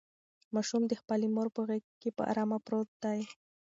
ماشوم د خپلې مور په غېږ کې په ارامه پروت دی.